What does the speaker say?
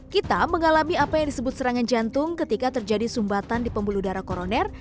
kita mengalami apa yang disebut serangan jantung ketika terjadi sumbatan di pembuluh darah koroner